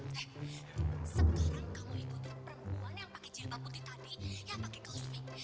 sekarang kamu ikuti perempuan yang pakai jilbab putih tadi yang pakai kaos pink